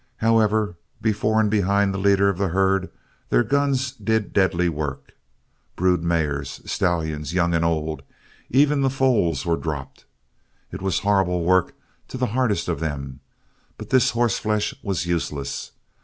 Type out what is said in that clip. However, before and behind the leader of the herd their guns did deadly work. Brood mares, stallions young and old, even the foals were dropped. It was horrible work to the hardest of them but this horseflesh was useless.